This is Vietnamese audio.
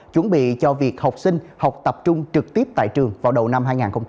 chuẩn bị cho việc học sinh học tập trung trực tiếp tại trường vào đầu năm hai nghìn hai mươi